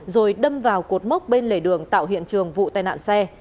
rồi đâm vào cột mốc bên lề đường tạo hiện trường vụ tai nạn xe